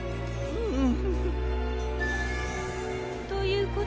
うん。